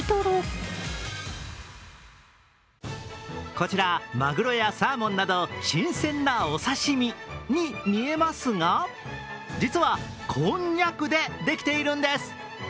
こちら、まぐろやサーモンなど新鮮なお刺身に見えますが実は、こんにゃくでできているんです。